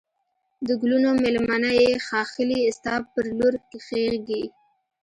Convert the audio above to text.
د گلونو مېلمنه یې ښاخلې ستا پر لور کږېږی